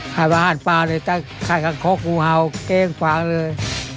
ขายอาหารปลาเลยขายข้างคล็อกงูเห่าเก้งฝังเลย